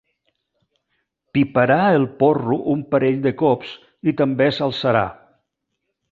Piparà el porro un parell de cops i també s'alçarà.